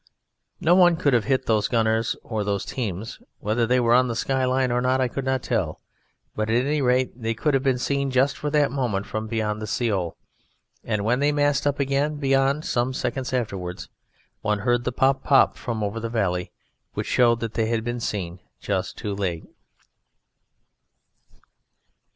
No one could have hit those gunners or those teams. Whether they were on the sky line or not I could not tell, but at any rate they could have been seen just for that moment from beyond the Sioule. And when they massed up again, beyond some seconds afterwards one heard the pop pop from over the valley, which showed they had been seen just too late.